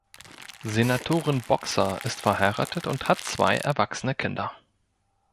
Senatorin Boxer ist verheiratet und hat zwei erwachsene Kinder.